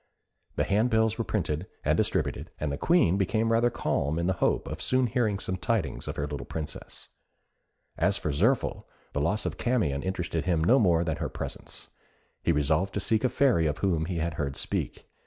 The handbills were printed, and distributed, and the Queen became rather calm in the hope of soon hearing some tidings of her little Princess. As for Zirphil, the loss of Camion interested him no more than her presence; he resolved to seek a fairy of whom he had heard speak.